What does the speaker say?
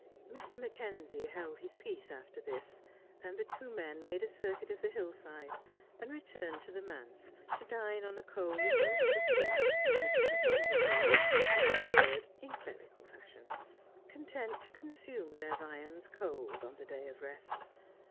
Mr. Mackenzie held his peace after this, and the tw9 men made a circuit of the hill side, and returned to the manse to dine '>ji a cold roast of beef, as Mrs. Mackenzie called it, and a salatT, in clerical fashion ; content to consume their viands cold on the day of rest.